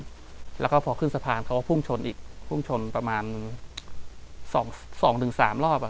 กลับมาที่สุดท้ายและกลับมาที่สุดท้าย